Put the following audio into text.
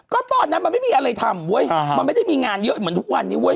ก็ตอนนั้นมันไม่มีอะไรทำเว้ยมันไม่ได้มีงานเยอะเหมือนทุกวันนี้เว้ย